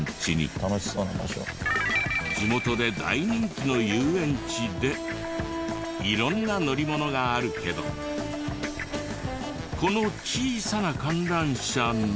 地元で大人気の遊園地で色んな乗り物があるけどこの小さな観覧車の。